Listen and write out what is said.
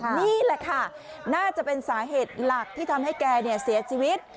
นี่แหละค่ะน่าจะเป็นสาเหตุหลักที่ทำให้แกเสียชีวิต